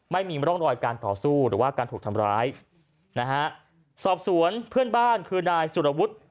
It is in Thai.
ไม่มีร่องรอยการต่อสู้หรือว่าการถูกทำร้ายนะฮะสอบสวนเพื่อนบ้านคือนายสุรวุฒิ